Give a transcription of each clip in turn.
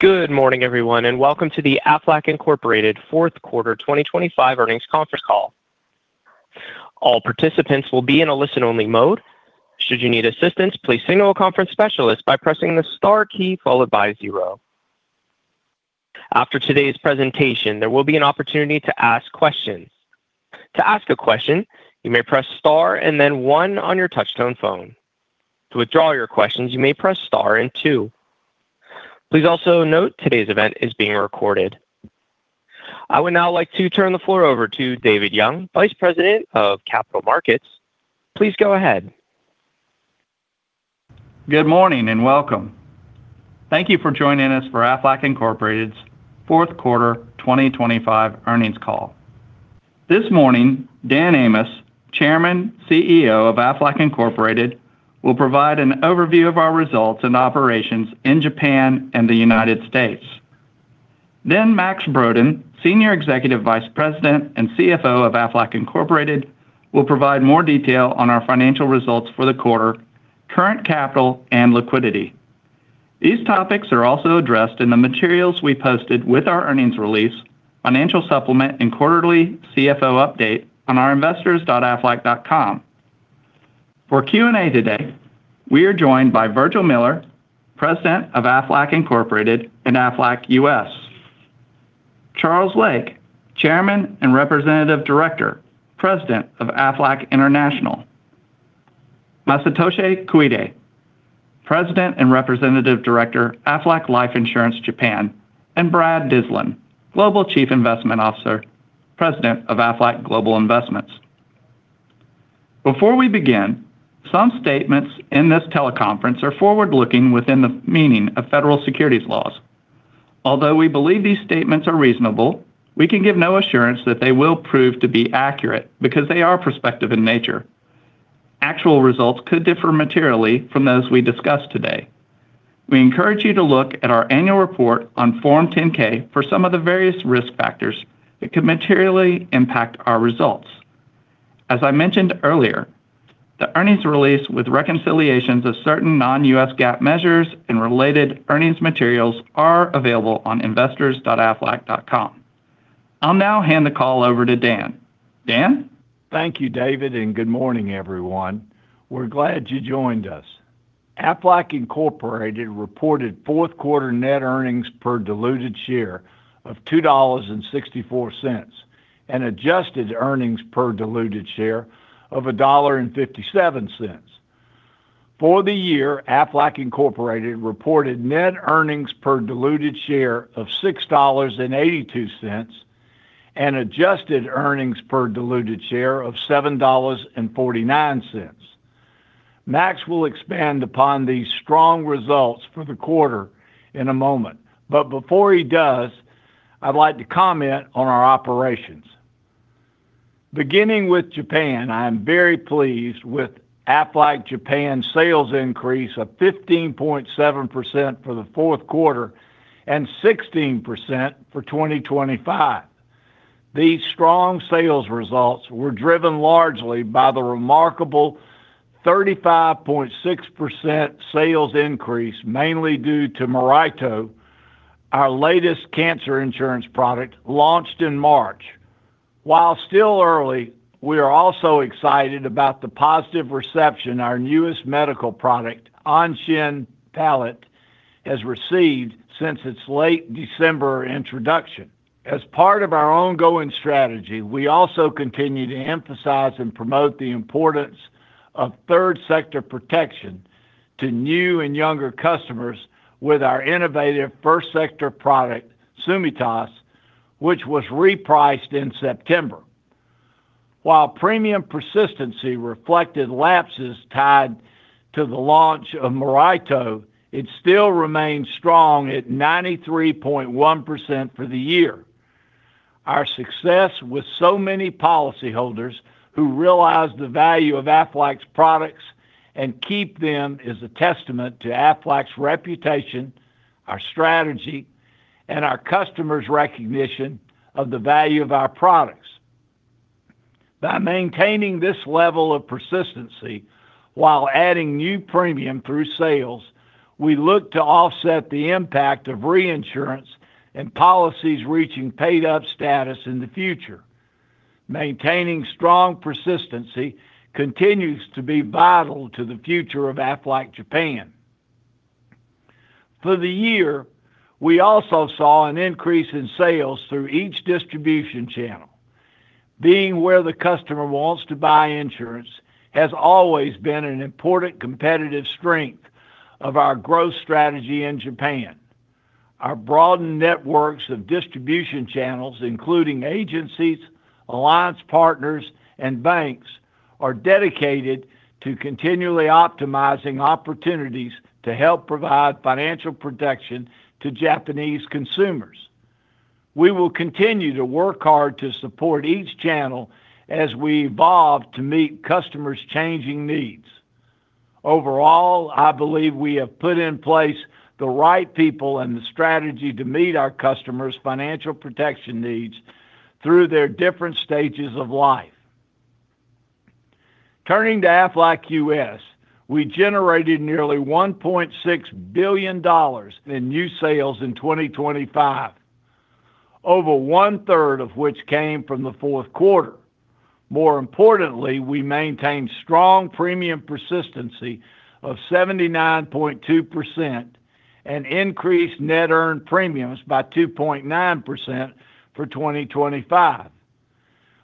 Good morning, everyone, and welcome to the Aflac Incorporated Fourth Quarter 2025 Earnings Conference Call. All participants will be in a listen-only mode. Should you need assistance, please signal a conference specialist by pressing the star key followed by zero. After today's presentation, there will be an opportunity to ask questions. To ask a question, you may press Star and then one on your touchtone phone. To withdraw your questions, you may press Star and two. Please also note today's event is being recorded. I would now like to turn the floor over to David Young, Vice President of Capital Markets. Please go ahead. Good morning, and welcome. Thank you for joining us for Aflac Incorporated's fourth quarter 2025 earnings call. This morning, Dan Amos, Chairman, CEO of Aflac Incorporated, will provide an overview of our results and operations in Japan and the United States. Then Max Brodin, Senior Executive Vice President and CFO of Aflac Incorporated, will provide more detail on our financial results for the quarter, current capital, and liquidity. These topics are also addressed in the materials we posted with our earnings release, financial supplement, and quarterly CFO update on our investors.aflac.com. For Q&A today, we are joined by Virgil Miller, President of Aflac Incorporated and Aflac U.S. Charles Lake, Chairman and Representative Director, President of Aflac International. Masatoshi Koide, President and Representative Director, Aflac Life Insurance, Japan, and Brad Dyslin, Global Chief Investment Officer, President of Aflac Global Investments. Before we begin, some statements in this teleconference are forward-looking within the meaning of federal securities laws. Although we believe these statements are reasonable, we can give no assurance that they will prove to be accurate because they are prospective in nature. Actual results could differ materially from those we discuss today. We encourage you to look at our annual report on Form 10-K for some of the various risk factors that could materially impact our results. As I mentioned earlier, the earnings release with reconciliations of certain non-GAAP measures and related earnings materials are available on investors.aflac.com. I'll now hand the call over to Dan. Dan? Thank you, David, and good morning, everyone. We're glad you joined us. Aflac Incorporated reported Fourth Quarter net earnings per diluted share of $2.64, and adjusted earnings per diluted share of $1.57. For the year, Aflac Incorporated reported net earnings per diluted share of $6.82, and adjusted earnings per diluted share of $7.49. Max will expand upon these strong results for the quarter in a moment, but before he does, I'd like to comment on our operations. Beginning with Japan, I am very pleased with Aflac Japan's sales increase of 15.7% for the fourth quarter and 16% for 2025. These strong sales results were driven largely by the remarkable 35.6% sales increase, mainly due to Moraito, our latest cancer insurance product, launched in March. While still early, we are also excited about the positive reception our newest medical product, Anshin Palette, has received since its late December introduction. As part of our ongoing strategy, we also continue to emphasize and promote the importance of third sector protection to new and younger customers with our innovative first sector product, Tsumitasu, which was repriced in September. While premium persistency reflected lapses tied to the launch of Moraito, it still remains strong at 93.1% for the year. Our success with so many policyholders who realize the value of Aflac's products and keep them is a testament to Aflac's reputation, our strategy, and our customers' recognition of the value of our products. By maintaining this level of persistency while adding new premium through sales, we look to offset the impact of reinsurance and policies reaching paid-up status in the future. Maintaining strong persistency continues to be vital to the future of Aflac Japan. For the year, we also saw an increase in sales through each distribution channel. Being where the customer wants to buy insurance has always been an important competitive strength of our growth strategy in Japan. Our broadened networks of distribution channels, including agencies, alliance partners, and banks, are dedicated to continually optimizing opportunities to help provide financial protection to Japanese consumers. We will continue to work hard to support each channel as we evolve to meet customers' changing needs. Overall, I believe we have put in place the right people and the strategy to meet our customers' financial protection needs through their different stages of life.... Turning to Aflac U.S., we generated nearly $1.6 billion in new sales in 2025, over one-third of which came from the fourth quarter. More importantly, we maintained strong premium persistency of 79.2% and increased net earned premiums by 2.9% for 2025.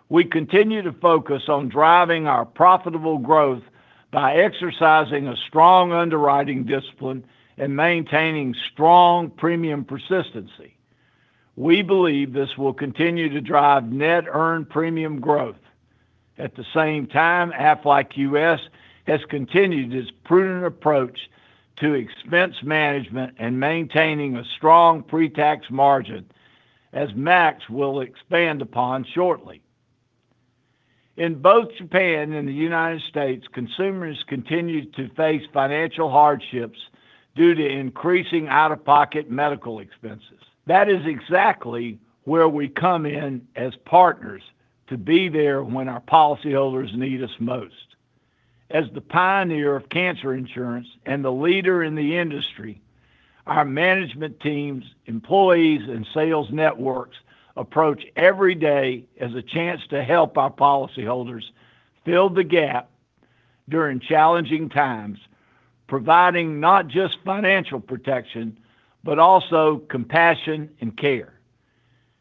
We continue to focus on driving our profitable growth by exercising a strong underwriting discipline and maintaining strong premium persistency. We believe this will continue to drive net earned premium growth. At the same time, Aflac U.S. has continued its prudent approach to expense management and maintaining a strong pre-tax margin, as Max will expand upon shortly. In both Japan and the United States, consumers continue to face financial hardships due to increasing out-of-pocket medical expenses. That is exactly where we come in as partners to be there when our policyholders need us most. As the pioneer of cancer insurance and the leader in the industry, our management teams, employees, and sales networks approach every day as a chance to help our policyholders fill the gap during challenging times, providing not just financial protection, but also compassion and care.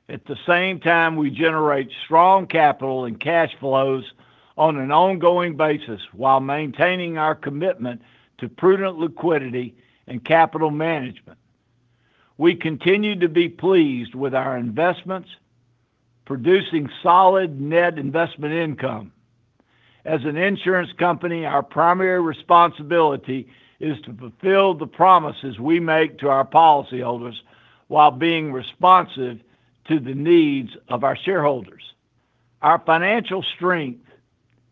At the same time, we generate strong capital and cash flows on an ongoing basis while maintaining our commitment to prudent liquidity and capital management. We continue to be pleased with our investments, producing solid net investment income. As an insurance company, our primary responsibility is to fulfill the promises we make to our policyholders while being responsive to the needs of our shareholders. Our financial strength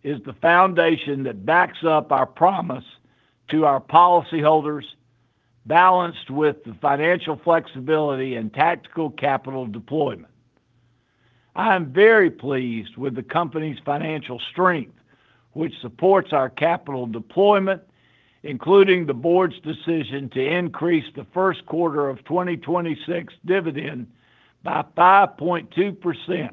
is the foundation that backs up our promise to our policyholders, balanced with the financial flexibility and tactical capital deployment. I am very pleased with the company's financial strength, which supports our capital deployment, including the board's decision to increase the First Quarter of 2026 dividend by 5.2%.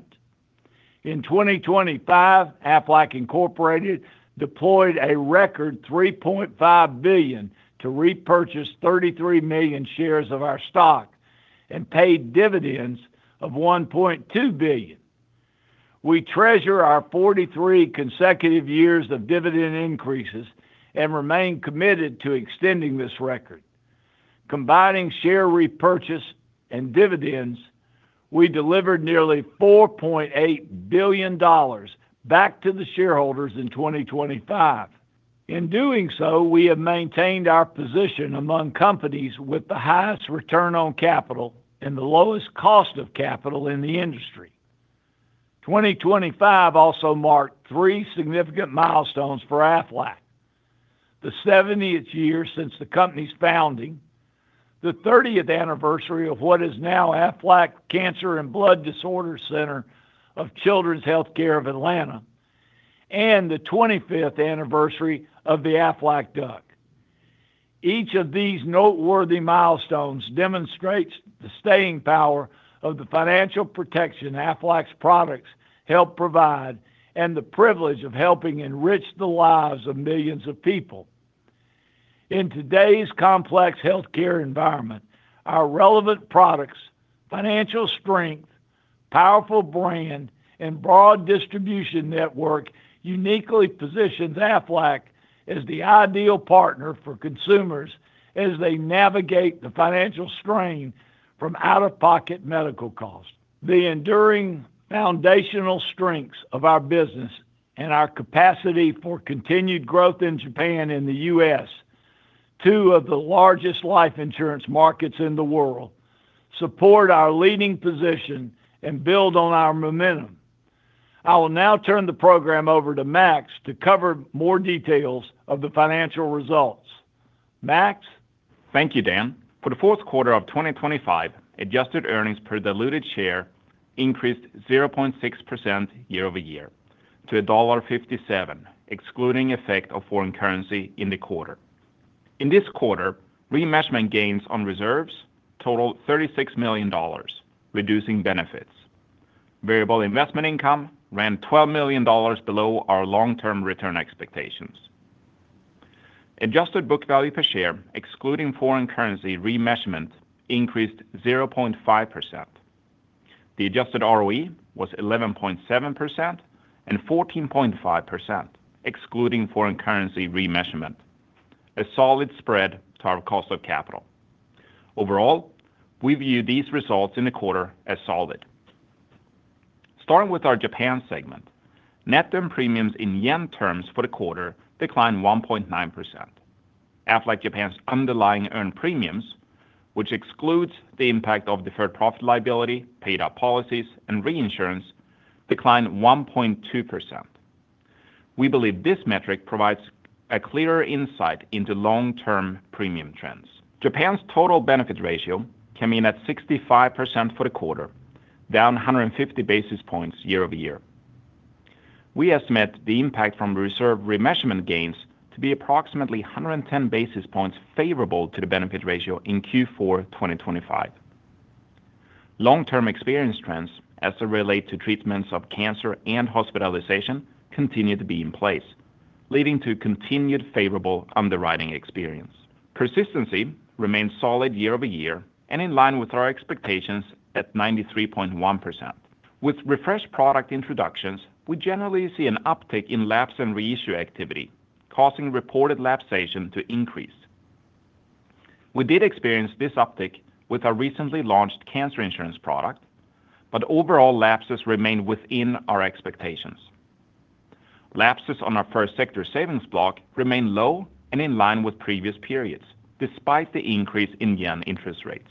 In 2025, Aflac Incorporated deployed a record $3.5 billion to repurchase 33 million shares of our stock and paid dividends of $1.2 billion. We treasure our 43 consecutive years of dividend increases and remain committed to extending this record. Combining share repurchase and dividends, we delivered nearly $4.8 billion back to the shareholders in 2025. In doing so, we have maintained our position among companies with the highest return on capital and the lowest cost of capital in the industry. 2025 also marked three significant milestones for Aflac: the 70th year since the company's founding, the 30th anniversary of what is now Aflac Cancer and Blood Disorder Center of Children's Healthcare of Atlanta, and the 25th anniversary of the Aflac Duck. Each of these noteworthy milestones demonstrates the staying power of the financial protection Aflac's products help provide and the privilege of helping enrich the lives of millions of people. In today's complex healthcare environment, our relevant products, financial strength, powerful brand, and broad distribution network uniquely positions Aflac as the ideal partner for consumers as they navigate the financial strain from out-of-pocket medical costs. The enduring foundational strengths of our business and our capacity for continued growth in Japan and the U.S., two of the largest life insurance markets in the world, support our leading position and build on our momentum. I will now turn the program over to Max to cover more details of the financial results. Max? Thank you, Dan. For the fourth quarter of 2025, adjusted earnings per diluted share increased 0.6% year-over-year to $1.57, excluding effect of foreign currency in the quarter. In this quarter, remeasurement gains on reserves totaled $36 million, reducing benefits. Variable investment income ran $12 million below our long-term return expectations. Adjusted book value per share, excluding foreign currency remeasurement, increased 0.5%. The adjusted ROE was 11.7% and 14.5%, excluding foreign currency remeasurement, a solid spread to our cost of capital. Overall, we view these results in the quarter as solid. Starting with our Japan segment, net earned premiums in yen terms for the quarter declined 1.9%. Aflac Japan's underlying earned premiums, which excludes the impact of deferred profit liability, paid-up policies, and reinsurance, declined 1.2%. We believe this metric provides a clearer insight into long-term premium trends. Japan's total benefit ratio came in at 65% for the quarter, down 150 basis points year-over-year. We estimate the impact from reserve remeasurement gains to be approximately 110 basis points favorable to the benefit ratio in Q4 2025. Long-term experience trends, as they relate to treatments of cancer and hospitalization, continue to be in place, leading to continued favorable underwriting experience. Persistency remains solid year-over-year and in line with our expectations at 93.1%. With refreshed product introductions, we generally see an uptick in lapse and reissue activity, causing reported lapsation to increase. We did experience this uptick with our recently launched cancer insurance product, but overall lapses remained within our expectations. Lapses on our first sector savings block remained low and in line with previous periods, despite the increase in yen interest rates.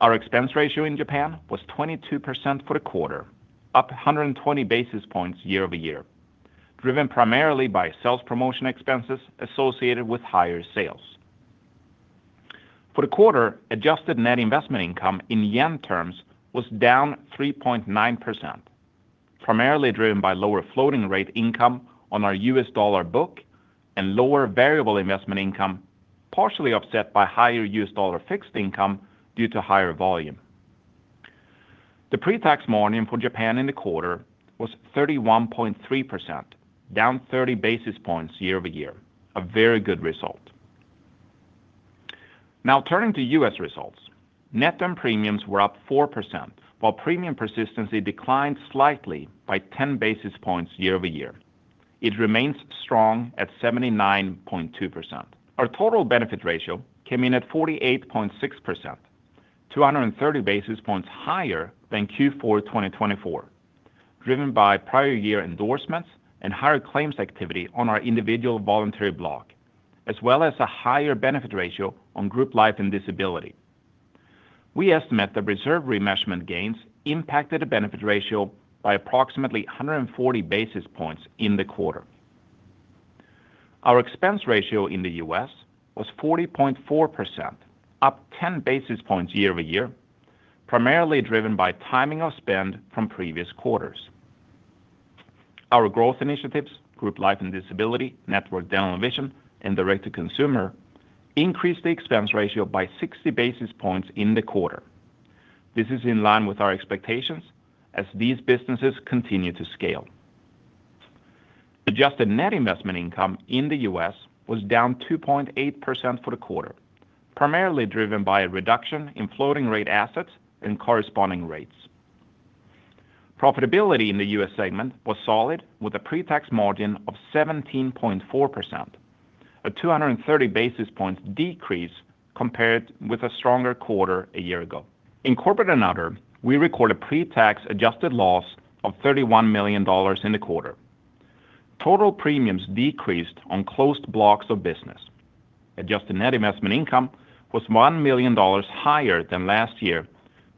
Our expense ratio in Japan was 22% for the quarter, up 120 basis points year-over-year, driven primarily by sales promotion expenses associated with higher sales. For the quarter, adjusted net investment income in yen terms was down 3.9%, primarily driven by lower floating rate income on our U.S. dollar book and lower variable investment income, partially offset by higher U.S. dollar fixed income due to higher volume. The pre-tax margin for Japan in the quarter was 31.3%, down 30 basis points year-over-year. A very good result. Now, turning to U.S. results. Net earned premiums were up 4%, while premium persistency declined slightly by 10 basis points year-over-year. It remains strong at 79.2%. Our total benefit ratio came in at 48.6%, 230 basis points higher than Q4 2024, driven by prior year endorsements and higher claims activity on our individual voluntary block, as well as a higher benefit ratio on group life and disability. We estimate the reserve remeasurement gains impacted the benefit ratio by approximately 140 basis points in the quarter. Our expense ratio in the U.S. was 40.4%, up 10 basis points year-over-year, primarily driven by timing of spend from previous quarters. Our growth initiatives, group life and disability, network dental and vision, and direct to consumer, increased the expense ratio by 60 basis points in the quarter. This is in line with our expectations as these businesses continue to scale. Adjusted net investment income in the U.S. was down 2.8% for the quarter, primarily driven by a reduction in floating rate assets and corresponding rates. Profitability in the U.S. segment was solid, with a pre-tax margin of 17.4%, a 230 basis point decrease compared with a stronger quarter a year ago. In Corporate and Other, we recorded a pre-tax adjusted loss of $31 million in the quarter. Total premiums decreased on closed blocks of business. Adjusted net investment income was $1 million higher than last year,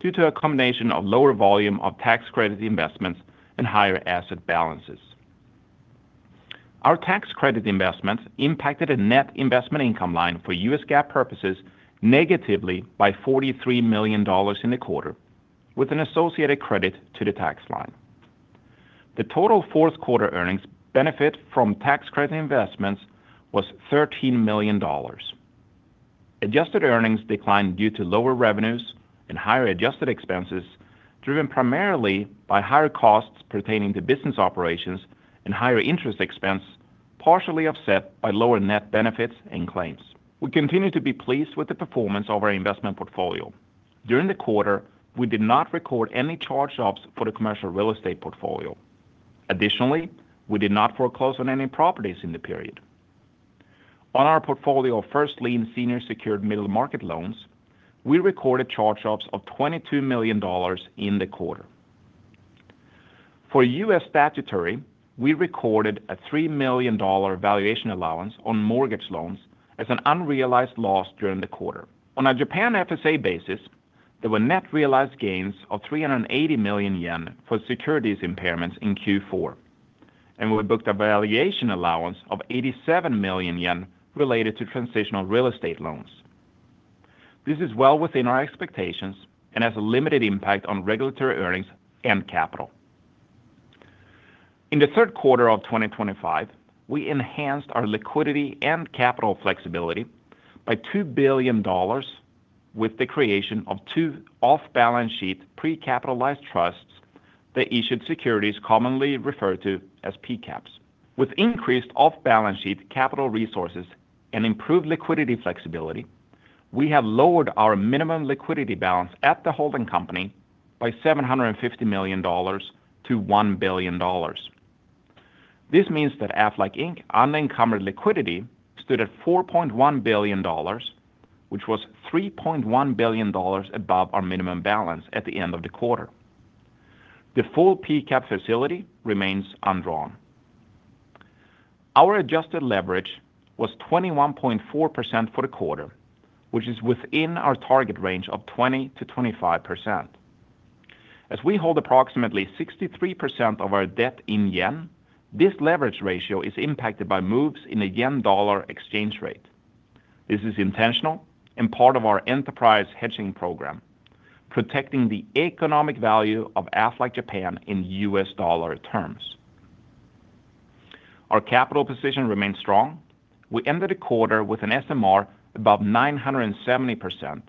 due to a combination of lower volume of tax credit investments and higher asset balances. Our tax credit investments impacted a net investment income line for US GAAP purposes negatively by $43 million in the quarter, with an associated credit to the tax line. The total fourth quarter earnings benefit from tax credit investments was $13 million. Adjusted earnings declined due to lower revenues and higher adjusted expenses, driven primarily by higher costs pertaining to business operations and higher interest expense, partially offset by lower net benefits and claims. We continue to be pleased with the performance of our investment portfolio. During the quarter, we did not record any charge-offs for the commercial real estate portfolio. Additionally, we did not foreclose on any properties in the period. On our portfolio of first lien senior secured middle market loans, we recorded charge-offs of $22 million in the quarter. For U.S. statutory, we recorded a $3 million valuation allowance on mortgage loans as an unrealized loss during the quarter. On a Japan FSA basis, there were net realized gains of 380 million yen for securities impairments in Q4, and we booked a valuation allowance of 87 million yen related to transitional real estate loans. This is well within our expectations and has a limited impact on regulatory earnings and capital. In the third quarter of 2025, we enhanced our liquidity and capital flexibility by $2 billion with the creation of two off-balance sheet pre-capitalized trusts, that issued securities commonly referred to as PCAPS. With increased off-balance sheet capital resources and improved liquidity flexibility, we have lowered our minimum liquidity balance at the holding company by $750 million to $1 billion. This means that Aflac Inc. Unencumbered liquidity stood at $4.1 billion, which was $3.1 billion above our minimum balance at the end of the quarter. The full PCAP facility remains undrawn. Our adjusted leverage was 21.4% for the quarter, which is within our target range of 20%-25%. As we hold approximately 63% of our debt in yen, this leverage ratio is impacted by moves in the yen-dollar exchange rate. This is intentional and part of our enterprise hedging program, protecting the economic value of Aflac Japan in US dollar terms. Our capital position remains strong. We ended the quarter with an SMR above 970%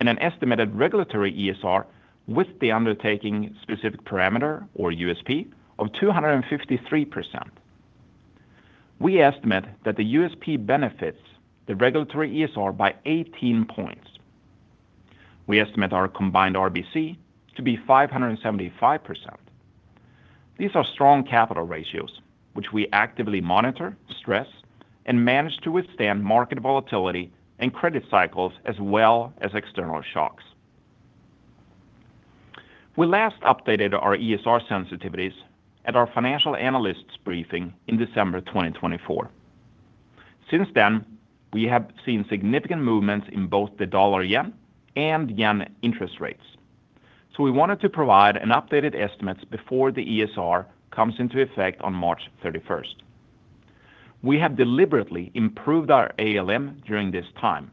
and an estimated regulatory ESR with the undertaking specific parameter, or USP, of 253%. We estimate that the USP benefits the regulatory ESR by 18 points. We estimate our combined RBC to be 575%. These are strong capital ratios, which we actively monitor, stress, and manage to withstand market volatility and credit cycles, as well as external shocks. We last updated our ESR sensitivities at our financial analysts briefing in December 2024. Since then, we have seen significant movements in both the dollar/yen and yen interest rates. So we wanted to provide an updated estimates before the ESR comes into effect on March 31st. We have deliberately improved our ALM during this time,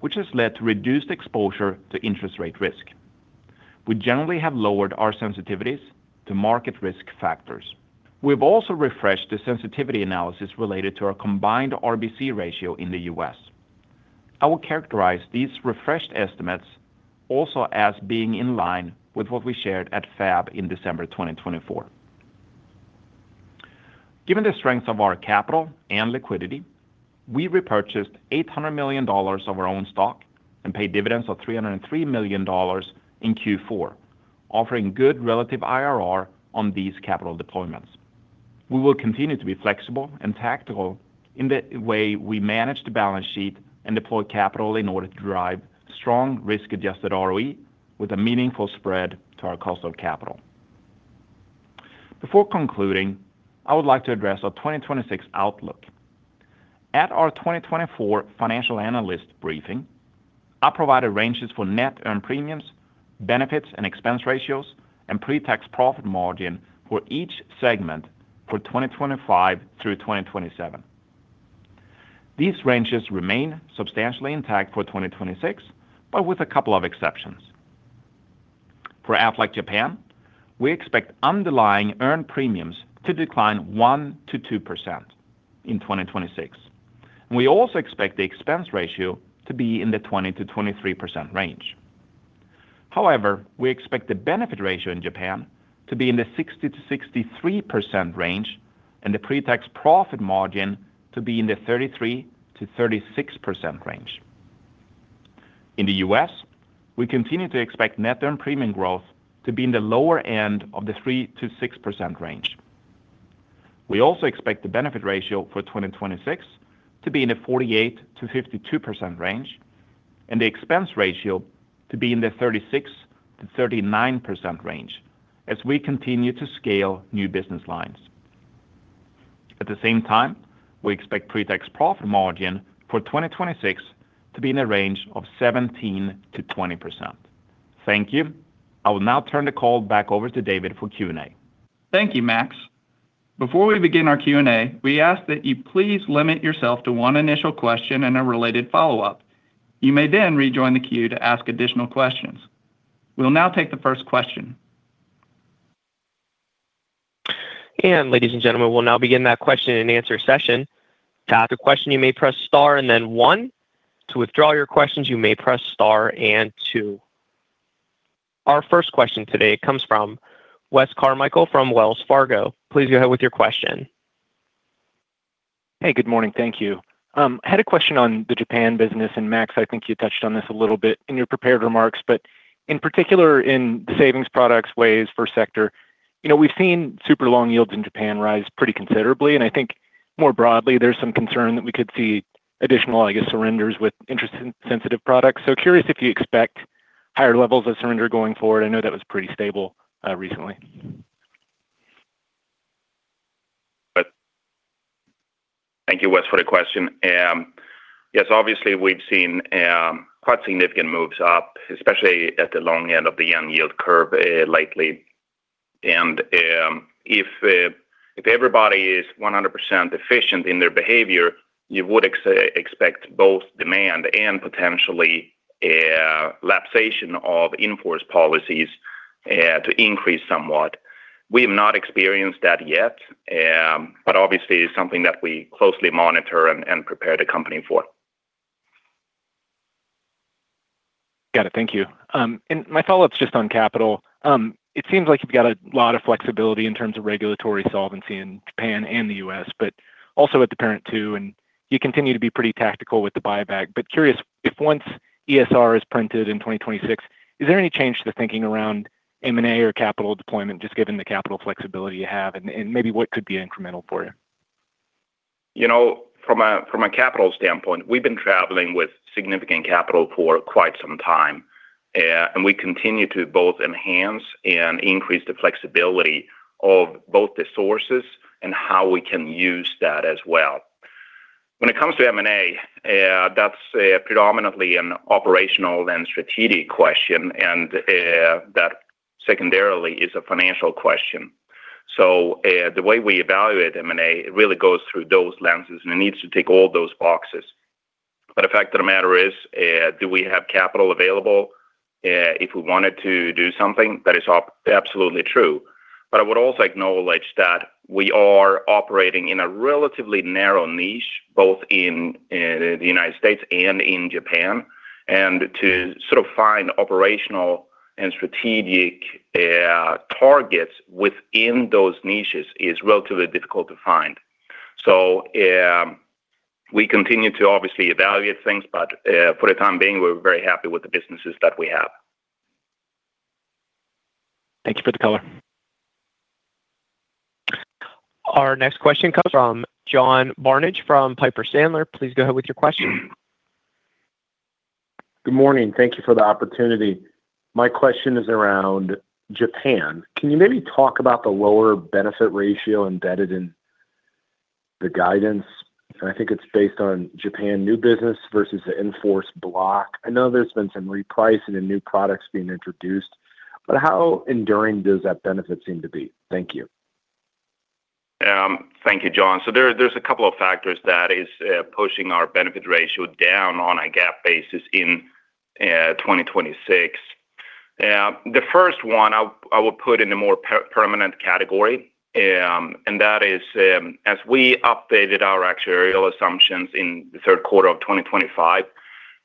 which has led to reduced exposure to interest rate risk. We generally have lowered our sensitivities to market risk factors. We've also refreshed the sensitivity analysis related to our combined RBC ratio in the U.S. I will characterize these refreshed estimates also as being in line with what we shared at FAB in December 2024. Given the strength of our capital and liquidity, we repurchased $800 million of our own stock and paid dividends of $303 million in Q4, offering good relative IRR on these capital deployments. We will continue to be flexible and tactical in the way we manage the balance sheet and deploy capital in order to drive strong risk-adjusted ROE with a meaningful spread to our cost of capital. Before concluding, I would like to address our 2026 outlook. At our 2024 financial analyst briefing, I provided ranges for net earned premiums, benefits and expense ratios, and pre-tax profit margin for each segment for 2025 through 2027. These ranges remain substantially intact for 2026, but with a couple of exceptions. For Aflac Japan, we expect underlying earned premiums to decline 1%-2% in 2026. We also expect the expense ratio to be in the 20%-23% range. However, we expect the benefit ratio in Japan to be in the 60%-63% range and the pre-tax profit margin to be in the 33%-36% range. In the U.S., we continue to expect net earned premium growth to be in the lower end of the 3%-6% range. We also expect the benefit ratio for 2026 to be in the 48%-52% range, and the expense ratio to be in the 36%-39% range as we continue to scale new business lines. At the same time, we expect pre-tax profit margin for 2026 to be in a range of 17%-20%. Thank you. I will now turn the call back over to David for Q&A. Thank you, Max. Before we begin our Q&A, we ask that you please limit yourself to one initial question and a related follow-up. You may then rejoin the queue to ask additional questions. We'll now take the first question. Ladies and gentlemen, we'll now begin that question and answer session. To ask a question, you may press Star and then One. To withdraw your questions, you may press Star and Two. Our first question today comes from Wes Carmichael from Wells Fargo. Please go ahead with your question. Hey, good morning. Thank you. I had a question on the Japan business, and Max, I think you touched on this a little bit in your prepared remarks, but in particular in the savings products WAYS first sector, you know, we've seen super long yields in Japan rise pretty considerably, and I think more broadly, there's some concern that we could see additional, I guess, surrenders with interest-sensitive products. So curious if you expect higher levels of surrender going forward. I know that was pretty stable recently. But thank you, Wes, for the question. Yes, obviously, we've seen quite significant moves up, especially at the long end of the yen yield curve, lately. And if everybody is 100% efficient in their behavior, you would expect both demand and potentially lapsation of in-force policies to increase somewhat. We have not experienced that yet, but obviously it's something that we closely monitor and prepare the company for. Got it. Thank you. My follow-up is just on capital. It seems like you've got a lot of flexibility in terms of regulatory solvency in Japan and the U.S., but also at the parent too, and you continue to be pretty tactical with the buyback. But curious, if once ESR is printed in 2026, is there any change to the thinking around M&A or capital deployment, just given the capital flexibility you have, and, and maybe what could be incremental for you? You know, from a capital standpoint, we've been traveling with significant capital for quite some time, and we continue to both enhance and increase the flexibility of both the sources and how we can use that as well. When it comes to M&A, that's predominantly an operational and strategic question, and that secondarily is a financial question. So, the way we evaluate M&A, it really goes through those lenses, and it needs to tick all those boxes. But the fact of the matter is, do we have capital available, if we wanted to do something? That is absolutely true. But I would also acknowledge that we are operating in a relatively narrow niche, both in the United States and in Japan, and to sort of find operational and strategic targets within those niches is relatively difficult to find. So, we continue to obviously evaluate things, but, for the time being, we're very happy with the businesses that we have. Thank you for the color. Our next question comes from John Barnidge, from Piper Sandler. Please go ahead with your question. Good morning. Thank you for the opportunity. My question is around Japan. Can you maybe talk about the lower benefit ratio embedded in the guidance? And I think it's based on Japan new business versus the in-force block. I know there's been some repricing and new products being introduced, but how enduring does that benefit seem to be? Thank you. Thank you, John. So there's a couple of factors that is pushing our benefit ratio down on a GAAP basis in 2026. The first one I will put in a more permanent category, and that is, as we updated our actuarial assumptions in the third quarter of 2025,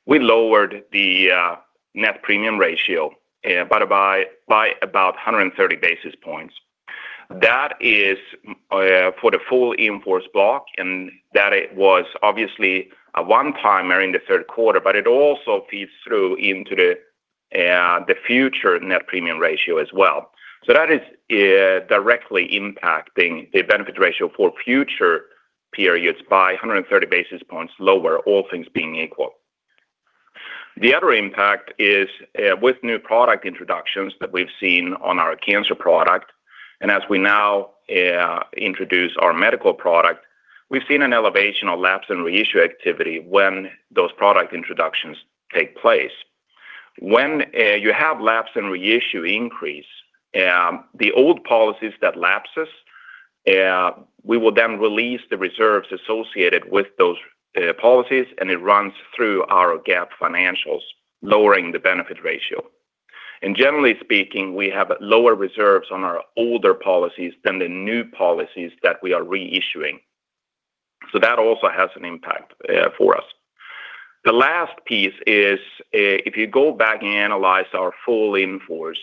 we lowered the net premium ratio, but by about 130 basis points. That is for the full in-force block, and that it was obviously a one-timer in the third quarter, but it also feeds through into the future net premium ratio as well. So that is directly impacting the benefit ratio for future periods by 130 basis points lower, all things being equal. The other impact is, with new product introductions that we've seen on our cancer product, and as we now, introduce our medical product, we've seen an elevation on lapse and reissue activity when those product introductions take place. When, you have lapse and reissue increase, the old policies that lapses, we will then release the reserves associated with those, policies, and it runs through our GAAP financials, lowering the benefit ratio. And generally speaking, we have lower reserves on our older policies than the new policies that we are reissuing. So that also has an impact, for us. The last piece is, if you go back and analyze our full in-force,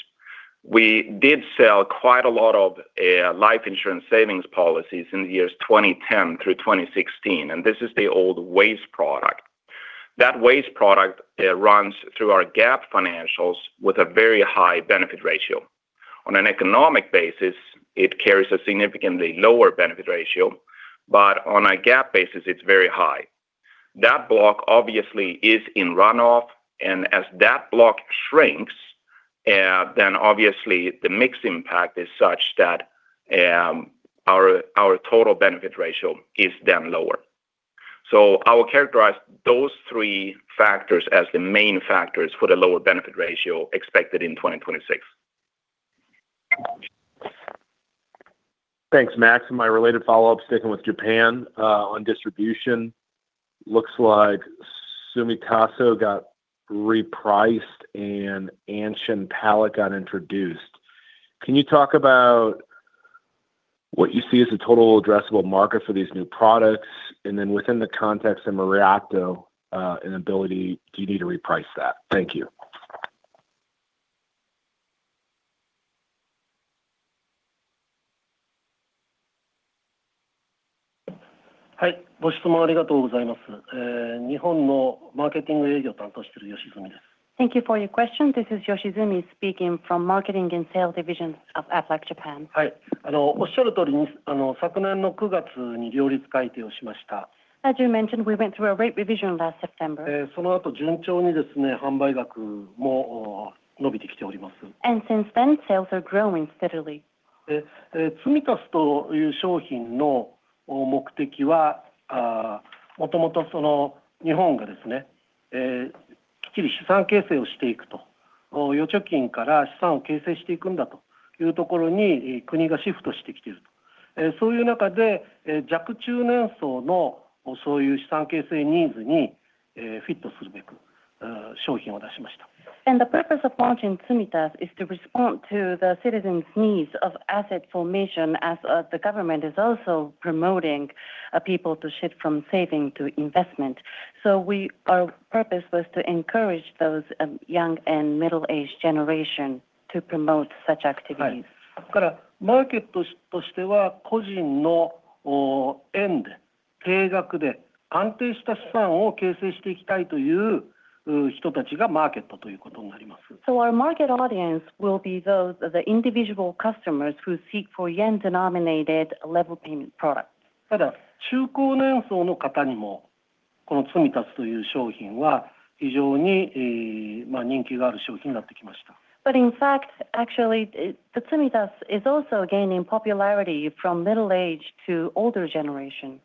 we did sell quite a lot of, life insurance savings policies in the years 2010 through 2016, and this is the old WAYS product. That waste product runs through our GAAP financials with a very high benefit ratio. On an economic basis, it carries a significantly lower benefit ratio, but on a GAAP basis, it's very high. That block obviously is in runoff, and as that block shrinks, then obviously the mix impact is such that our total benefit ratio is then lower. So I will characterize those three factors as the main factors for the lower benefit ratio expected in 2026. Thanks, Max. And my related follow-up, sticking with Japan, on distribution, looks like Tsumitasu got repriced and Anshin Palette got introduced. Can you talk about what you see as the total addressable market for these new products? And then within the context of Moraito and annuity, do you need to reprice that? Thank you. Hi, thank you for your question. This is Yoshizumi speaking from Marketing and Sales division of Aflac Japan. As you mentioned, we went through a rate revision last September. Since then, sales are growing steadily. The purpose of launching Tsumitasu is to respond to the citizens' needs of asset formation, as the government is also promoting people to shift from saving to investment. Our purpose was to encourage those young and middle-aged generation to promote such activities. Our market audience will be those individual customers who seek for yen-denominated level payment products. But in fact, actually, the Tsumitasu is also gaining popularity from middle age to older generation.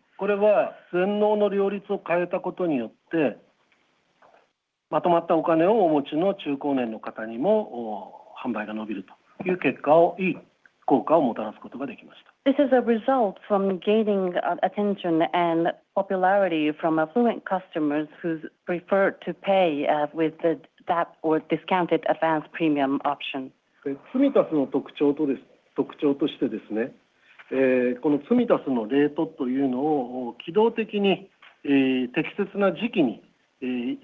…まとまったお金をお持ちの中高年の方にも、売上が伸びるという結果を、いい効果をもたらすことができました。This is a result from gaining attention and popularity from affluent customers who prefer to pay with the DAP or discounted advanced premium option. つみたすの特徴です、特徴としてですね、このつみたすのレートというのを、機動的に、適切な時期に、いつでも変えていけるというような商品になっていますので。One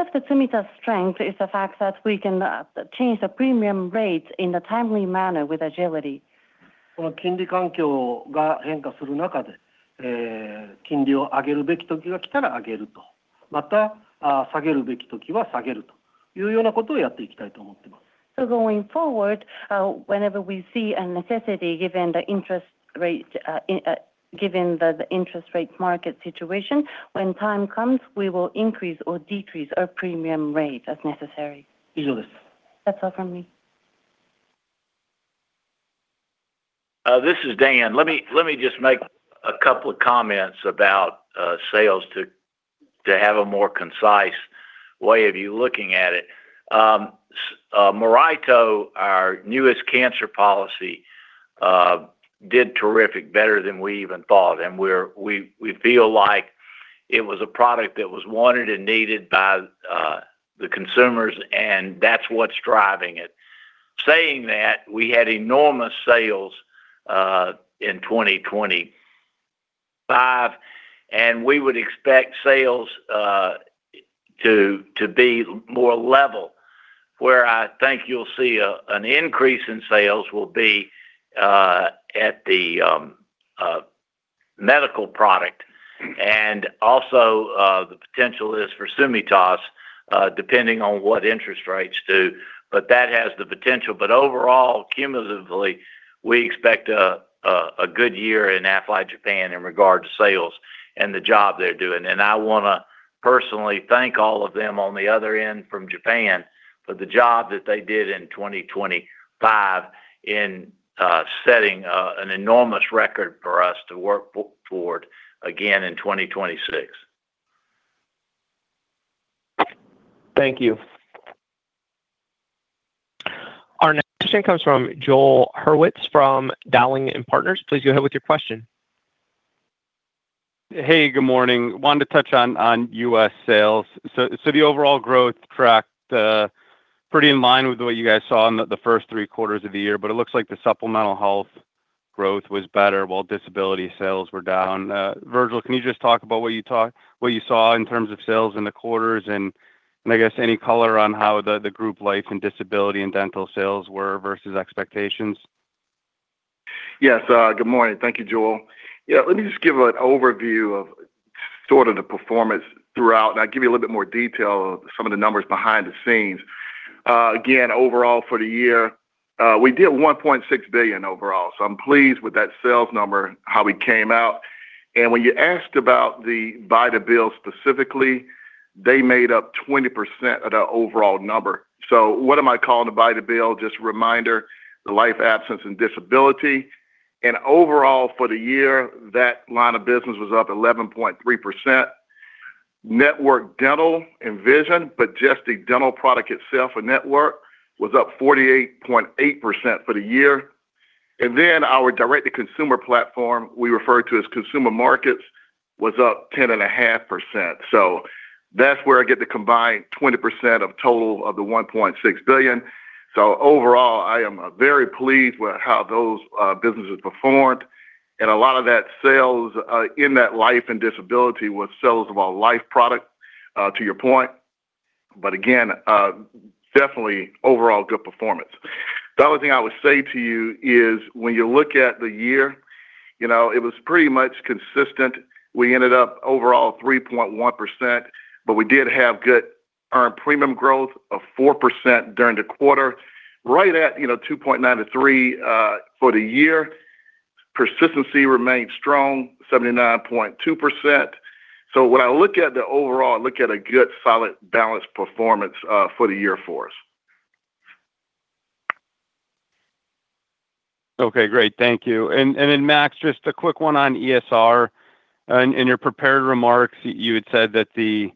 of the Tsumitasu’s strengths is the fact that we can change the premium rate in a timely manner with agility. この金利環境が変化する中で、金利を上げるべき時が来たら上げると、また、下げるべき時は下げるというようなことをやっていきたいと思っています。Going forward, whenever we see a necessity, given the interest rate market situation, when time comes, we will increase or decrease our premium rate as necessary. 以上です。That's all from me. This is Dan. Let me, let me just make a couple of comments about sales to have a more concise way of you looking at it. Moraito, our newest cancer policy, did terrific, better than we even thought, and we feel like it was a product that was wanted and needed by the consumers, and that's what's driving it. Saying that, we had enormous sales in 2025, and we would expect sales to be more level. Where I think you'll see an increase in sales will be at the medical product. And also, the potential is for Tsumitasu, depending on what interest rates do, but that has the potential. But overall, cumulatively, we expect a good year in Aflac Japan in regards to sales and the job they're doing. And I want to personally thank all of them on the other end from Japan for the job that they did in 2025 in setting an enormous record for us to work toward again in 2026. Thank you. Our next question comes from Joel Hurwitz, from Dowling & Partners. Please go ahead with your question. Hey, good morning. Wanted to touch on U.S. sales. So the overall growth tracked pretty in line with what you guys saw in the first three quarters of the year, but it looks like the supplemental health growth was better, while disability sales were down. Virgil, can you just talk about what you saw in terms of sales in the quarters? And I guess any color on how the group life and disability and dental sales were versus expectations? Yes, good morning. Thank you, Joel. Yeah, let me just give an overview of sort of the performance throughout, and I'll give you a little bit more detail of some of the numbers behind the scenes. Again, overall, for the year, we did $1.6 billion overall, so I'm pleased with that sales number, how we came out. And when you asked about the VBL specifically, they made up 20% of the overall number. So what am I calling the VBL? Just a reminder, the life, accident and disability, and overall, for the year, that line of business was up 11.3%. Network Dental and Vision, but just the dental product itself for Network was up 48.8% for the year. Then our direct-to-consumer platform, we refer to as consumer markets, was up 10.5%. So that's where I get the combined 20% of total of the $1.6 billion. So overall, I am very pleased with how those businesses performed, and a lot of that sales in that life and disability was sales of our life product to your point. But again, definitely overall good performance. The other thing I would say to you is, when you look at the year, you know, it was pretty much consistent. We ended up overall 3.1%, but we did have good earned premium growth of 4% during the quarter, right at, you know, 2.9%-3% for the year. Persistency remained strong, 79.2%. So when I look at the overall, I look at a good, solid, balanced performance for the year for us. Okay, great. Thank you. And then, Max, just a quick one on ESR. In your prepared remarks, you had said that the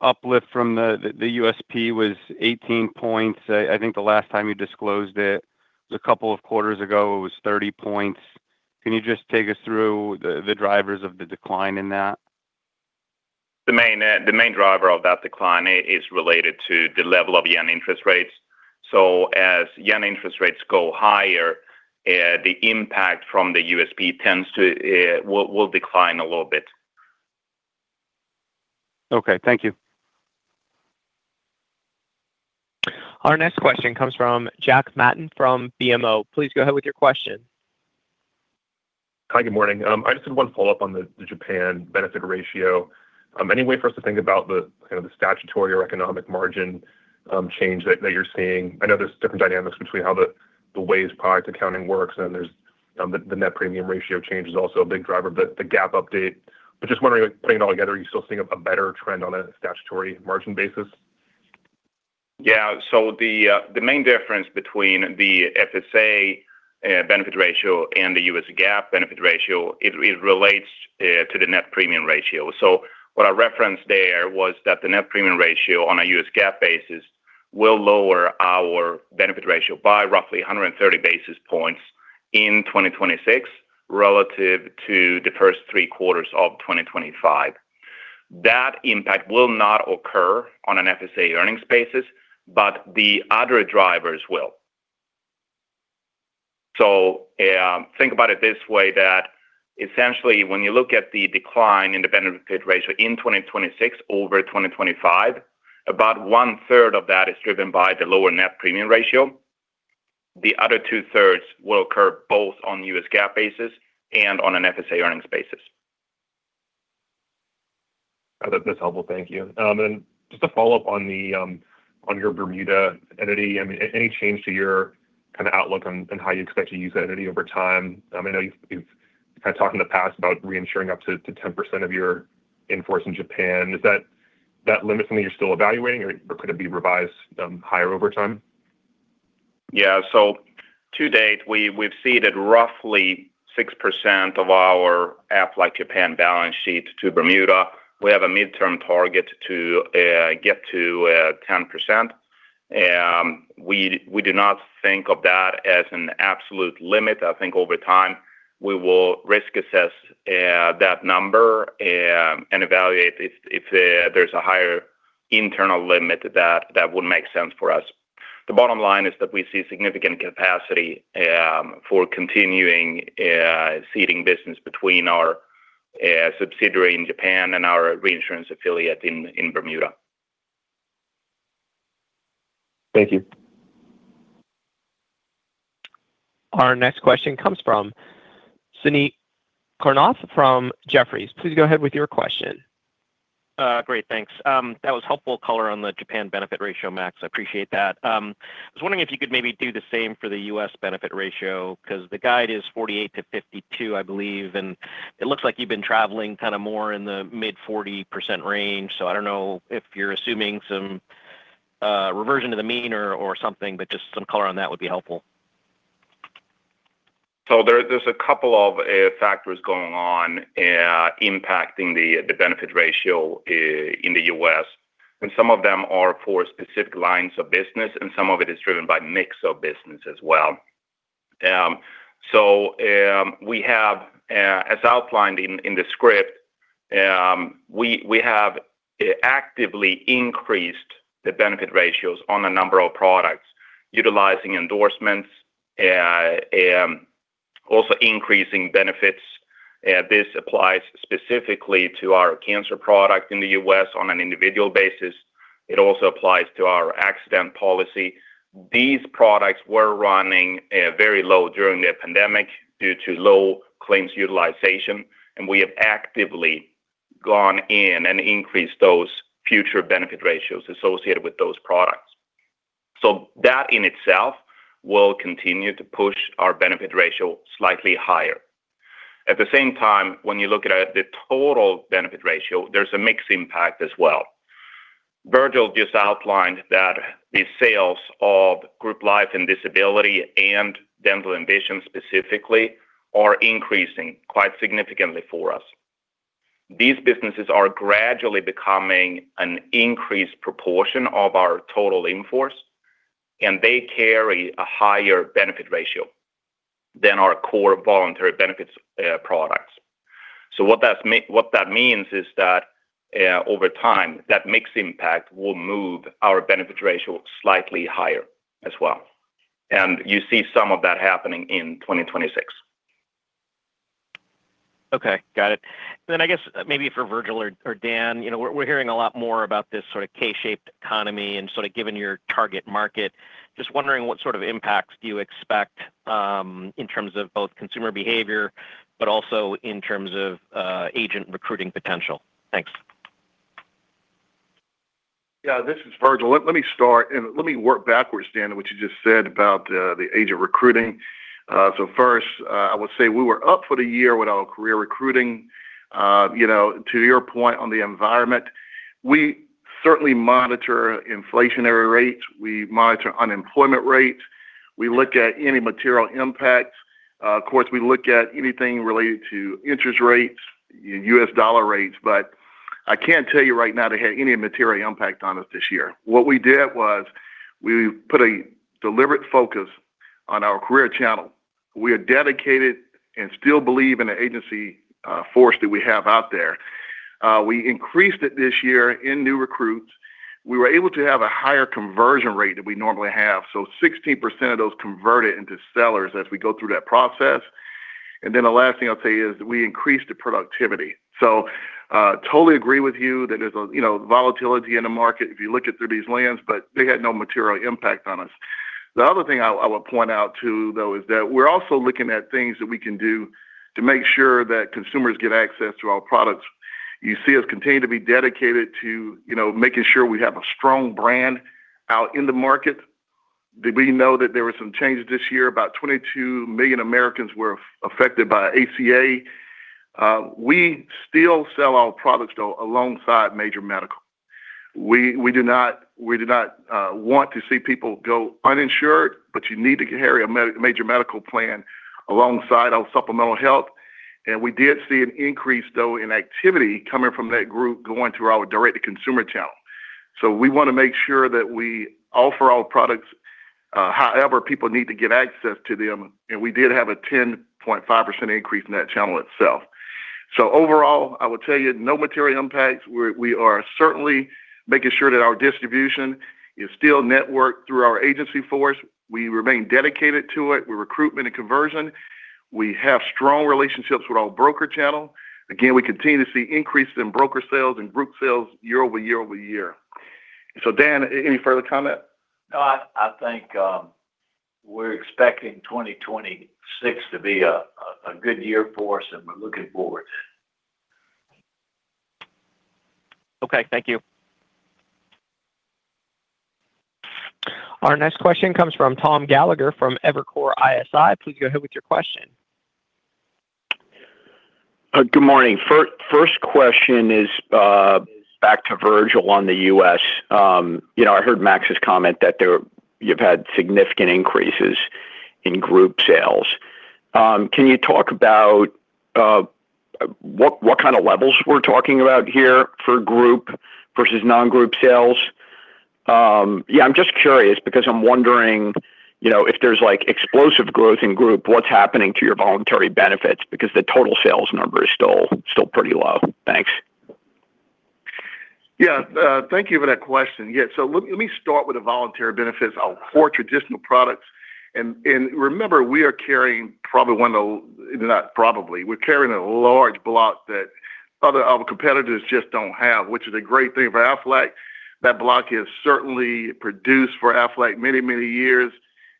uplift from the USP was 18 points. I think the last time you disclosed it was a couple of quarters ago, it was 30 points. Can you just take us through the drivers of the decline in that? The main, the main driver of that decline is related to the level of yen interest rates. So as yen interest rates go higher, the impact from the USP tends to decline a little bit. Okay, thank you. Our next question comes from Jack Matten, from BMO. Please go ahead with your question. Hi, good morning. I just have one follow-up on the Japan benefit ratio. Any way for us to think about the kind of the statutory or economic margin change that you're seeing? I know there's different dynamics between how the WAYS product accounting works, and the net premium ratio change is also a big driver, but the GAAP update. But just wondering, like, putting it all together, are you still seeing a better trend on a statutory margin basis? Yeah, so the main difference between the FSA benefit ratio and the US GAAP benefit ratio, it relates to the net premium ratio. So what I referenced there was that the net premium ratio on a US GAAP basis will lower our benefit ratio by roughly 130 basis points in 2026 relative to the first three quarters of 2025. That impact will not occur on an FSA earnings basis, but the other drivers will. So, think about it this way, that essentially when you look at the decline in the benefit ratio in 2026 over 2025, about one-third of that is driven by the lower net premium ratio. The other two-thirds will occur both on US GAAP basis and on an FSA earnings basis. That's helpful. Thank you. And just a follow-up on your Bermuda entity. I mean, any change to your kind of outlook on how you expect to use that entity over time? I mean, I know you've kind of talked in the past about reinsuring up to 10% of your in-force in Japan. Is that limit something you're still evaluating or could it be revised higher over time? Yeah. So to date, we've ceded roughly 6% of our Aflac Japan balance sheet to Bermuda. We have a midterm target to get to 10%. We do not think of that as an absolute limit. I think over time, we will risk assess that number and evaluate if there's a higher internal limit that would make sense for us. The bottom line is that we see significant capacity for continuing ceding business between our subsidiary in Japan and our reinsurance affiliate in Bermuda. Thank you. Our next question comes from Suneet Kamath from Jefferies. Please go ahead with your question. Great, thanks. That was helpful color on the Japan benefit ratio, Max. I appreciate that. I was wondering if you could maybe do the same for the US benefit ratio, because the guide is 48%-52%, I believe, and it looks like you've been traveling kind of more in the mid-40% range. So I don't know if you're assuming some reversion to the mean or something, but just some color on that would be helpful. So there's a couple of factors going on, impacting the benefit ratio in the U.S., and some of them are for specific lines of business, and some of it is driven by mix of business as well. So, we have, as outlined in the script, we have actively increased the benefit ratios on a number of products utilizing endorsements, also increasing benefits. This applies specifically to our cancer product in the U.S. on an individual basis. It also applies to our accident policy. These products were running very low during the pandemic due to low claims utilization, and we have actively gone in and increased those future benefit ratios associated with those products. So that in itself will continue to push our benefit ratio slightly higher. At the same time, when you look at the total benefit ratio, there's a mixed impact as well. Virgil just outlined that the sales of group life and disability and dental and vision specifically are increasing quite significantly for us. These businesses are gradually becoming an increased proportion of our total in-force, and they carry a higher benefit ratio than our core voluntary benefits products. So what that means is that over time, that mix impact will move our benefit ratio slightly higher as well, and you see some of that happening in 2026. Okay. Got it. Then I guess maybe for Virgil or Dan, you know, we're hearing a lot more about this sort of K-shaped economy and sort of given your target market, just wondering what sort of impacts do you expect, in terms of both consumer behavior, but also in terms of, agent recruiting potential? Thanks. Yeah, this is Virgil. Let me start and let me work backwards, Dan, what you just said about the agent recruiting. So first, I would say we were up for the year with our career recruiting. You know, to your point on the environment, we certainly monitor inflationary rates, we monitor unemployment rates, we look at any material impacts. Of course, we look at anything related to interest rates, US dollar rates, but I can't tell you right now they had any material impact on us this year. What we did was we put a deliberate focus on our career channel. We are dedicated and still believe in the agency force that we have out there. We increased it this year in new recruits. We were able to have a higher conversion rate than we normally have, so 16% of those converted into sellers as we go through that process. And then the last thing I'll tell you is we increased the productivity. So, totally agree with you that there's a, you know, volatility in the market if you look at through these lenses, but they had no material impact on us. The other thing I would point out, too, though, is that we're also looking at things that we can do to make sure that consumers get access to our products. You see us continuing to be dedicated to, you know, making sure we have a strong brand out in the market. We know that there were some changes this year. About 22 million Americans were affected by ACA. We still sell our products, though, alongside major medical. We do not want to see people go uninsured, but you need to carry a major medical plan alongside our supplemental health, and we did see an increase, though, in activity coming from that group going through our direct-to-consumer channel. So we want to make sure that we offer our products, however people need to get access to them, and we did have a 10.5% increase in that channel itself. So overall, I will tell you, no material impacts. We are certainly making sure that our distribution is still networked through our agency force. We remain dedicated to it, with recruitment and conversion. We have strong relationships with our broker channel. Again, we continue to see increases in broker sales and group sales year over year over year. So, Dan, any further comment? No, I think we're expecting 2026 to be a good year for us, and we're looking forward. Okay, thank you. Our next question comes from Thomas Gallagher from Evercore ISI. Please go ahead with your question. Good morning. First question is back to Virgil on the US. You know, I heard Max's comment that there, you've had significant increases in group sales. Can you talk about what kind of levels we're talking about here for group versus non-group sales? Yeah, I'm just curious because I'm wondering, you know, if there's, like, explosive growth in group, what's happening to your voluntary benefits? Because the total sales number is still pretty low. Thanks. Yeah, thank you for that question. Yeah, so let me start with the voluntary benefits, our core traditional products, and remember, we are carrying probably one of the... not probably, we're carrying a large block that other competitors just don't have, which is a great thing for Aflac. That block has certainly produced for Aflac many, many years.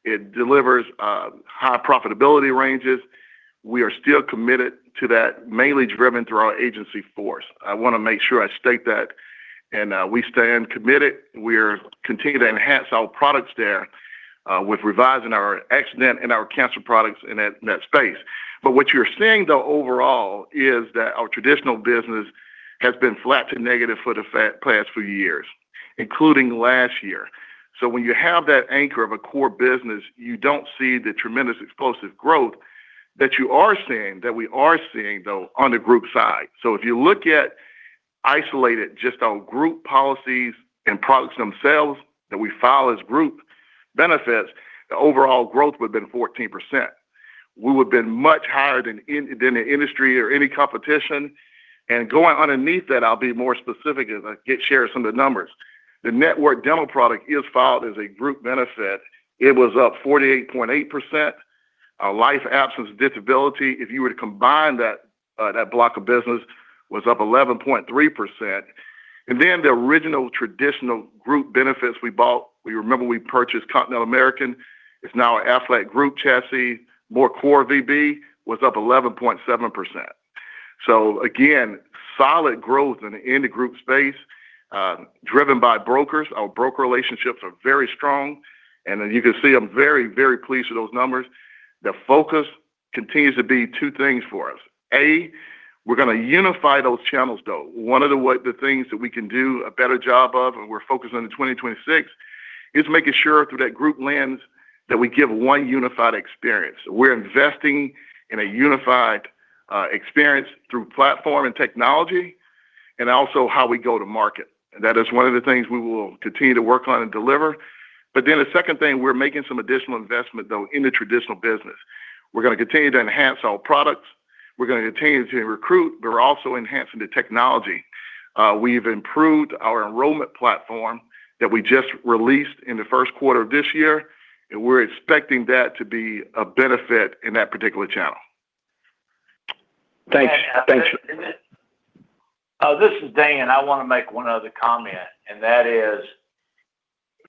It delivers high profitability ranges. We are still committed to that, mainly driven through our agency force. I want to make sure I state that, and we stand committed. We're continuing to enhance our products there, with revising our accident and our cancer products in that space. But what you're seeing, though, overall, is that our traditional business has been flat to negative for the past few years, including last year. So when you have that anchor of a core business, you don't see the tremendous explosive growth that you are seeing, that we are seeing, though, on the group side. So if you look at isolated, just on group policies and products themselves that we file as group benefits, the overall growth would have been 14%. We would have been much higher than the industry or any competition. And going underneath that, I'll be more specific as I get to share some of the numbers. The network dental product is filed as a group benefit. It was up 48.8%. Our life and disability, if you were to combine that, that block of business, was up 11.3%. And then the original traditional group benefits we bought, we remember we purchased Continental American, it's now Aflac Group Chassis, more core VB, was up 11.7%. So again, solid growth in the group space, driven by brokers. Our broker relationships are very strong, and as you can see, I'm very, very pleased with those numbers. The focus continues to be two things for us: A, we're gonna unify those channels, though. One of the way, the things that we can do a better job of, and we're focused on in 2026, is making sure through that group lens, that we give one unified experience. We're investing in a unified, experience through platform and technology, and also how we go to market. That is one of the things we will continue to work on and deliver. But then the second thing, we're making some additional investment, though, in the traditional business. We're going to continue to enhance our products. We're gonna continue to recruit, but we're also enhancing the technology. We've improved our enrollment platform that we just released in the first quarter of this year, and we're expecting that to be a benefit in that particular channel. Thanks. Thanks. This is Dan. I want to make one other comment, and that is,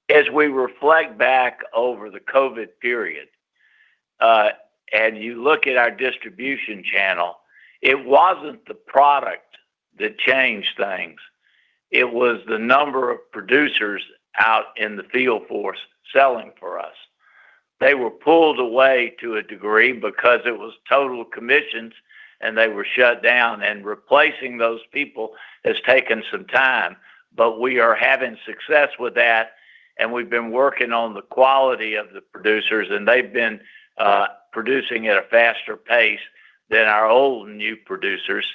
as we reflect back over the COVID period, and you look at our distribution channel, it wasn't the product that changed things, it was the number of producers out in the field force selling for us. They were pulled away to a degree because it was total commissions, and they were shut down, and replacing those people has taken some time, but we are having success with that, and we've been working on the quality of the producers, and they've been producing at a faster pace than our old new producers.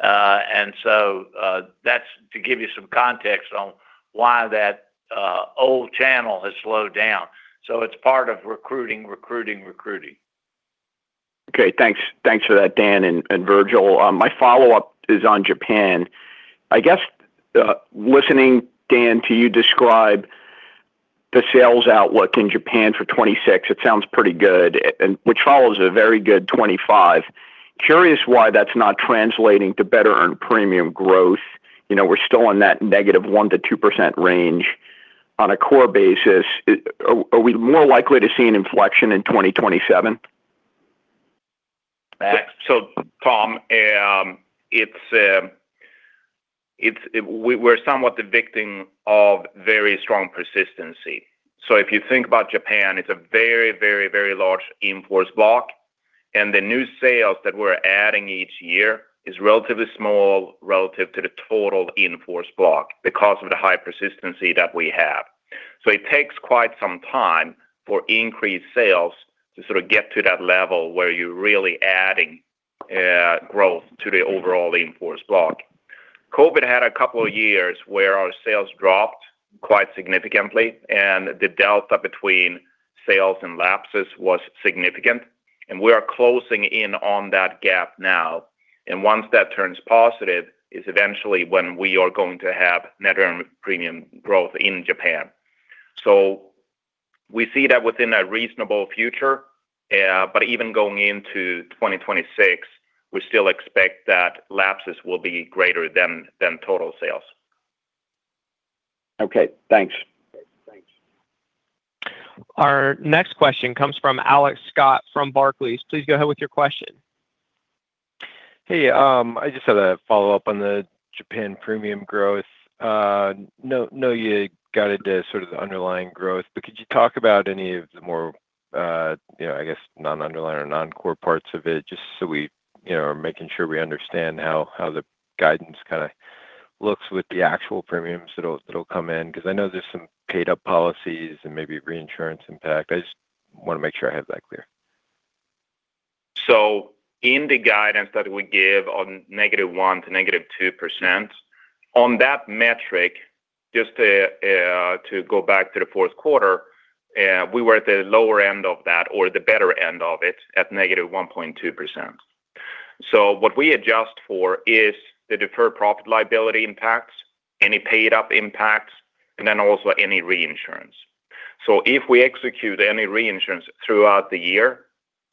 And so, that's to give you some context on why that old channel has slowed down. So it's part of recruiting, recruiting, recruiting. Okay, thanks. Thanks for that, Dan and Virgil. My follow-up is on Japan. I guess listening, Dan, to you describe the sales outlook in Japan for 2026, it sounds pretty good, and which follows a very good 2025. Curious why that's not translating to better earned premium growth. You know, we're still on that -1% to 2% range on a core basis. Are we more likely to see an inflection in 2027? So, Tom, we're somewhat the victim of very strong persistency. So if you think about Japan, it's a very, very, very large in-force block, and the new sales that we're adding each year is relatively small relative to the total in-force block because of the high persistency that we have. So it takes quite some time for increased sales to sort of get to that level where you're really adding growth to the overall in-force block. COVID had a couple of years where our sales dropped quite significantly, and the delta between sales and lapses was significant, and we are closing in on that gap now. And once that turns positive, is eventually when we are going to have net earned premium growth in Japan. We see that within a reasonable future, but even going into 2026, we still expect that lapses will be greater than total sales. Okay, thanks. Our next question comes from Alex Scott from Barclays. Please go ahead with your question. Hey, I just had a follow-up on the Japan premium growth. You know, you know you guided to sort of the underlying growth, but could you talk about any of the more, you know, I guess, non-underlying or non-core parts of it, just so we, you know, are making sure we understand how the guidance kind of looks with the actual premiums that'll come in? because I know there's some paid-up policies and maybe reinsurance impact. I just wanna make sure I have that clear. So in the guidance that we give on -1% to -2%, on that metric, just to, to go back to the fourth quarter, we were at the lower end of that or the better end of it, at -1.2%. So what we adjust for is the deferred profit liability impacts, any paid up impacts, and then also any reinsurance. So if we execute any reinsurance throughout the year,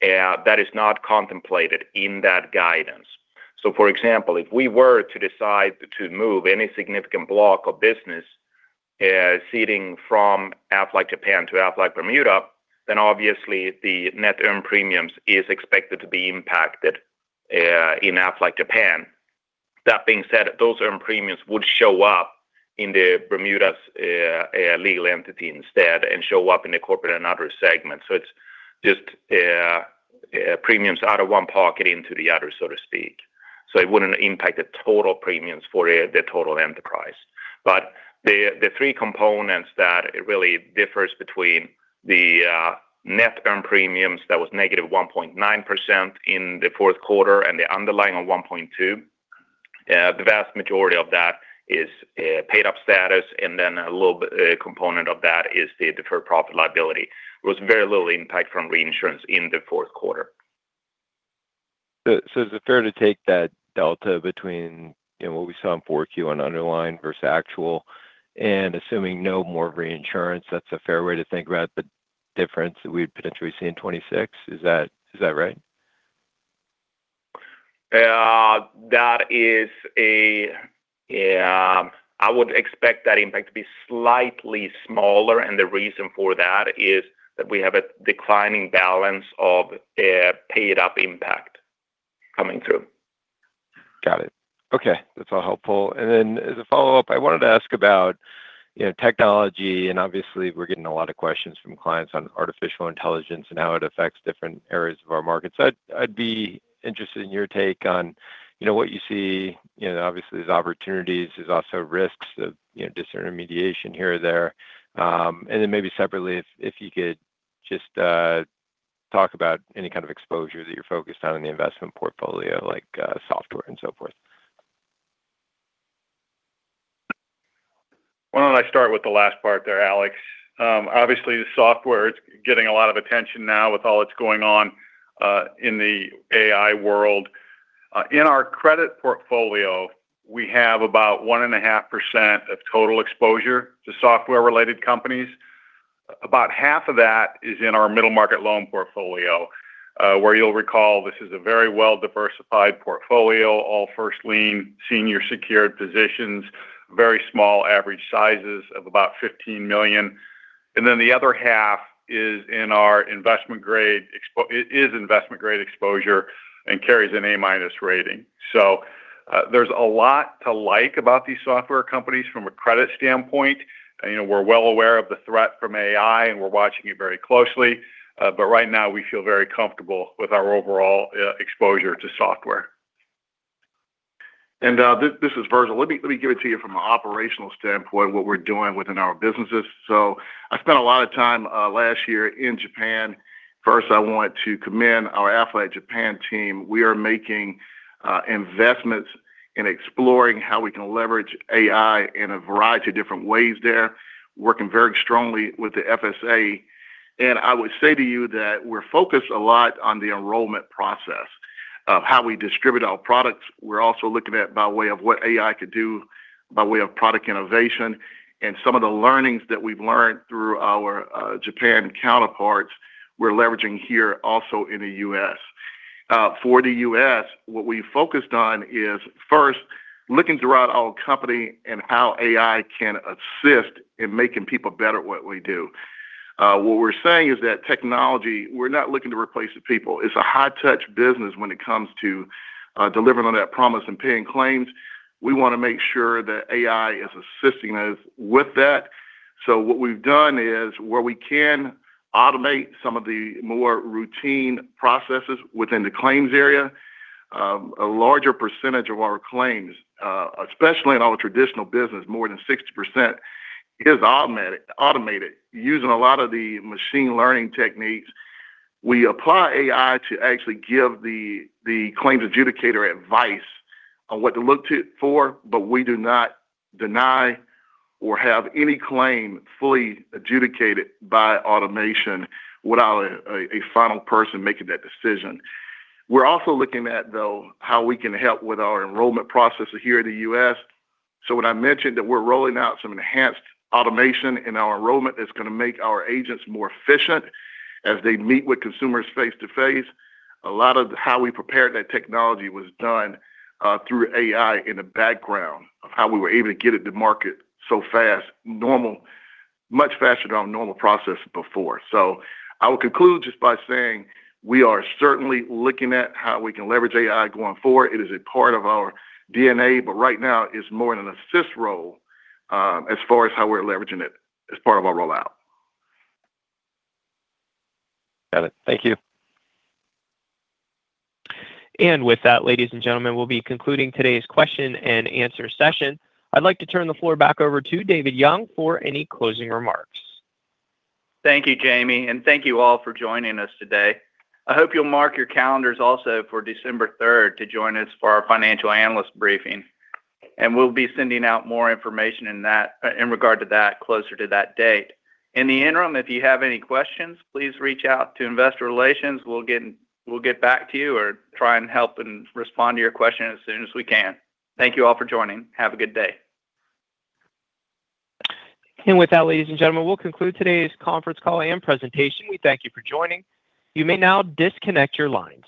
that is not contemplated in that guidance. So, for example, if we were to decide to move any significant block of business, ceding from Aflac Japan to Aflac Bermuda, then obviously the net earned premiums is expected to be impacted, in Aflac Japan. That being said, those earned premiums would show up in the Bermuda's legal entity instead and show up in the corporate and other segment. So it's just premiums out of one pocket into the other, so to speak. So it wouldn't impact the total premiums for the, the total enterprise. But the, the three components that it really differs between the, net earned premiums, that was negative 1.9% in the fourth quarter and the underlying on 1.2, the vast majority of that is, paid up status, and then a little bit, component of that is the deferred profit liability. There was very little impact from reinsurance in the fourth quarter. So, is it fair to take that delta between, you know, what we saw in 4Q on underlying versus actual, and assuming no more reinsurance, that's a fair way to think about the difference that we'd potentially see in 2026? Is that right? That is a, I would expect that impact to be slightly smaller, and the reason for that is that we have a declining balance of a paid-up impact coming through. Got it. Okay, that's all helpful. And then as a follow-up, I wanted to ask about, you know, technology, and obviously, we're getting a lot of questions from clients on artificial intelligence and how it affects different areas of our market. So I'd, I'd be interested in your take on, you know, what you see. You know, obviously, there's opportunities, there's also risks of, you know, disintermediation here or there. And then maybe separately, if, if you could just, talk about any kind of exposure that you're focused on in the investment portfolio, like, software and so forth. Why don't I start with the last part there, Alex? Obviously, the software is getting a lot of attention now with all that's going on in the AI world. In our credit portfolio, we have about 1.5% of total exposure to software-related companies. About half of that is in our middle market loan portfolio, where you'll recall this is a very well-diversified portfolio, all first lien, senior secured positions, very small average sizes of about $15 million. And then the other half is in our investment-grade exposure and carries an A-minus rating. So, there's a lot to like about these software companies from a credit standpoint. You know, we're well aware of the threat from AI, and we're watching it very closely, but right now we feel very comfortable with our overall exposure to software. And, this is Virgil. Let me give it to you from an operational standpoint, what we're doing within our businesses. So I spent a lot of time last year in Japan. First, I want to commend our Aflac Japan team. We are making investments in exploring how we can leverage AI in a variety of different ways there, working very strongly with the FSA. And I would say to you that we're focused a lot on the enrollment process of how we distribute our products. We're also looking at by way of what AI could do, by way of product innovation, and some of the learnings that we've learned through our Japan counterparts, we're leveraging here also in the US. For the US, what we focused on is, first, looking throughout our company and how AI can assist in making people better at what we do. What we're saying is that technology, we're not looking to replace the people. It's a high-touch business when it comes to delivering on that promise and paying claims. We want to make sure that AI is assisting us with that. So what we've done is, where we can automate some of the more routine processes within the claims area, a larger percentage of our claims, especially in our traditional business, more than 60% is automated, using a lot of the machine learning techniques. We apply AI to actually give the claims adjudicator advice on what to look for, but we do not deny or have any claim fully adjudicated by automation without a final person making that decision. We're also looking at, though, how we can help with our enrollment processor here in the US. So when I mentioned that we're rolling out some enhanced automation in our enrollment, that's gonna make our agents more efficient as they meet with consumers face-to-face. A lot of how we prepared that technology was done through AI in the background of how we were able to get it to market so fast, normally much faster than our normal process before. So I will conclude just by saying we are certainly looking at how we can leverage AI going forward. It is a part of our DNA, but right now it's more in an assist role, as far as how we're leveraging it as part of our rollout. Got it. Thank you. And with that, ladies and gentlemen, we'll be concluding today's question and answer session. I'd like to turn the floor back over to David Young for any closing remarks. Thank you, Jamie, and thank you all for joining us today. I hope you'll mark your calendars also for December third to join us for our financial analyst briefing, and we'll be sending out more information in that, in regard to that, closer to that date. In the interim, if you have any questions, please reach out to Investor Relations. We'll get, we'll get back to you or try and help and respond to your question as soon as we can. Thank you all for joining. Have a good day. With that, ladies and gentlemen, we'll conclude today's conference call and presentation. We thank you for joining. You may now disconnect your lines.